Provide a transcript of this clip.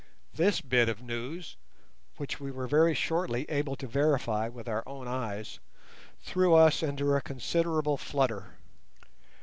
This bit of news, which we were very shortly able to verify with our own eyes, threw us into a considerable flutter.